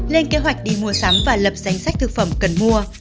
lên kế hoạch đi mua sắm và lập danh sách thực phẩm cần mua